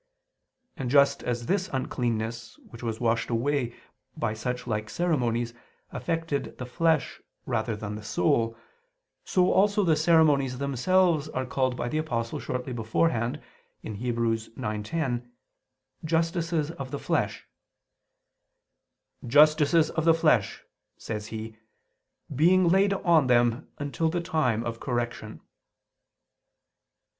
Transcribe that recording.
And just as this uncleanness which was washed away by such like ceremonies, affected the flesh rather than the soul, so also the ceremonies themselves are called by the Apostle shortly before (Heb. 9:10) justices of the flesh: "justices of the flesh," says he, "being laid on them until the time of correction."